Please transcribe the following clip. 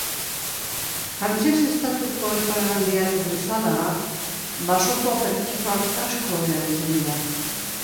Frantses estatuko iparraldean ez bezala, basoko perretxikoak asko erabiltzen dira.